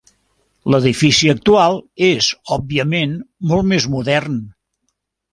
L'edifici actual és òbviament molt més modern.